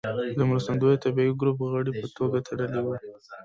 د مرستندويه طبي ګروپ غړي په توګه تللی و.